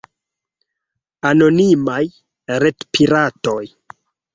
anonimaj retpiratoj